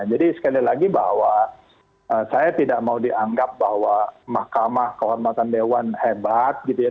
jadi sekali lagi bahwa saya tidak mau dianggap bahwa mahkamah kehormatan dewan hebat gitu ya